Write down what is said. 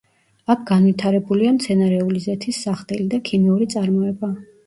აქ განვითარებულია მცენარეული ზეთის სახდელი და ქიმიური წარმოება.